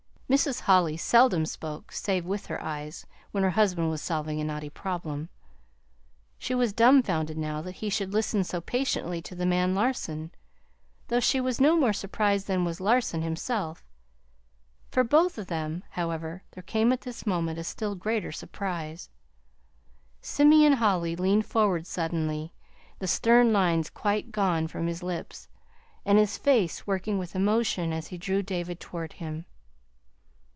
Mrs. Holly seldom spoke save with her eyes when her husband was solving a knotty problem. She was dumfounded now that he should listen so patiently to the man, Larson, though she was not more surprised than was Larson himself. For both of them, however, there came at this moment a still greater surprise. Simeon Holly leaned forward suddenly, the stern lines quite gone from his lips, and his face working with emotion as he drew David toward him.